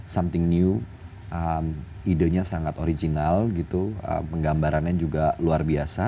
something new idenya sangat original gitu penggambarannya juga luar biasa